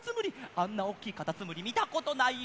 あんなおっきいカタツムリみたことないよ！